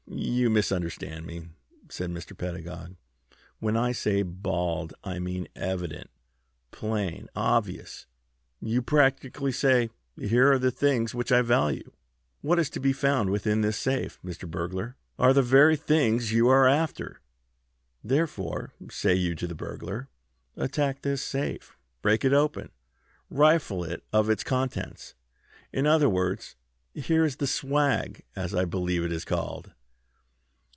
"You misunderstand me," said Mr. Pedagog. "When I say bald I mean evident, plain, obvious. You practically say: Here are the things which I value. What is to be found within this safe, Mr. Burglar, are the very things you are after. Therefore, say you to the burglar: Attack this safe. Break it open, rifle it of its contents; in other words, here is the swag, as I believe it is called."